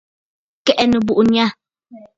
Kɛ̀ʼɛ nɨbuʼu nyâ.